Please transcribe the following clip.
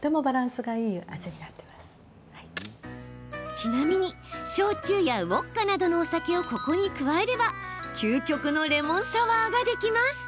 ちなみに、焼酎やウォッカなどのお酒をここに加えれば究極のレモンサワーができます。